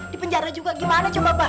dipenjara juga gimana coba bang